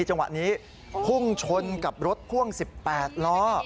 จังหวะนี้พุ่งชนกับรถพ่วง๑๘ล้อ